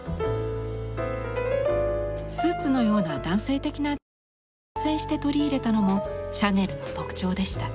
スーツのような男性的なデザインを率先して取り入れたのもシャネルの特徴でした。